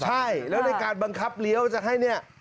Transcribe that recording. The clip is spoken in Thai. ใช่แล้วในการบังคับเลี้ยวจะให้เนี่ย